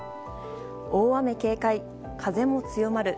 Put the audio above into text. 大雨警戒、風も強まる。